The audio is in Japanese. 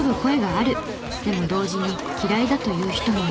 でも同時に嫌いだと言う人もいる。